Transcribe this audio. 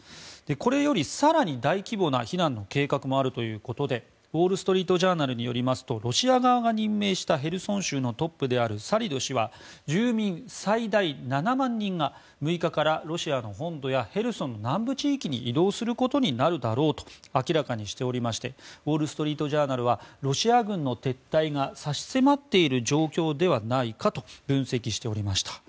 これより更に大規模な避難の計画もあるということでウォール・ストリート・ジャーナルによりますとロシア側が任命したヘルソン州のトップであるサリド氏は住民最大７万人が６日からロシアの本土からヘルソンの南部地域に移動することになるだろうと明らかにしておりましてウォール・ストリート・ジャーナルはロシア軍の撤退が差し迫っている状況ではないかと分析しておりました。